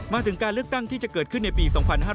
มาถึงการเลือกตั้งที่จะเกิดขึ้นในปี๒๕๕๙